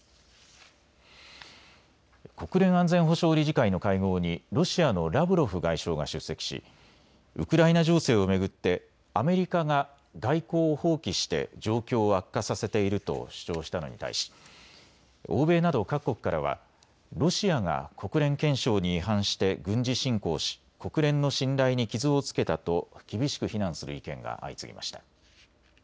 国連安全保障理事会の会合にロシアのラブロフ外相が出席しウクライナ情勢を巡ってアメリカが外交を放棄して状況を悪化させていると主張したのに対し、欧米など各国からはロシアが国連憲章に違反して軍事侵攻し国連の信頼に傷をつけたと厳しく非難する意見が相次ぎました。